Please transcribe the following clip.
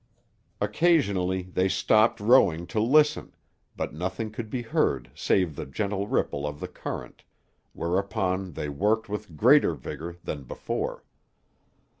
Occasionally they stopped rowing to listen, but nothing could be heard save the gentle ripple of the current; whereupon they worked with greater vigor than before.